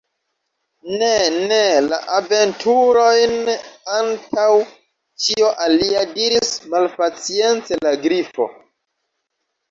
"Ne, ne! la aventurojn antaŭ ĉio alia," diris malpacience la Grifo.